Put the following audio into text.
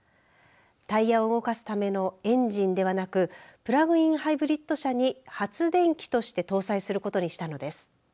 タイヤを動かすためのエンジンではなくプラグインハイブリッド車に発電機として搭載することにしたのです。